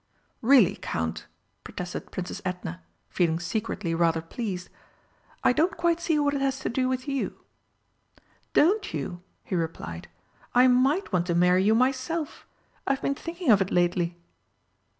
"Really, Count!" protested Princess Edna, feeling secretly rather pleased. "I don't quite see what it has to do with you." "Don't you?" he replied. "I might want to marry you myself. I've been thinking of it lately."